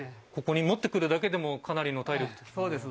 持ってくるだけでもかなりの体力を。